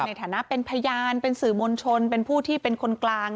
ในฐานะเป็นพยานเป็นสื่อมวลชนเป็นผู้ที่เป็นคนกลาง